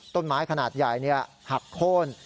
ต้นไม้ขนาดใหญ่หักโค้น